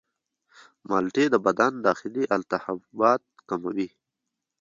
مالټې د بدن داخلي التهابات کموي.